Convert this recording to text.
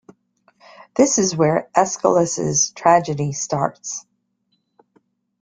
This is where Aeschylus' tragedy starts.